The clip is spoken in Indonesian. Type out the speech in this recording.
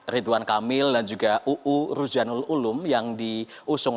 ridwan kamil dan juga uu rujanul ulum yang diusung